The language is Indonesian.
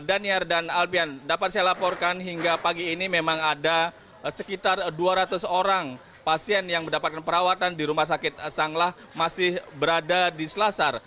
daniar dan albian dapat saya laporkan hingga pagi ini memang ada sekitar dua ratus orang pasien yang mendapatkan perawatan di rumah sakit sanglah masih berada di selasar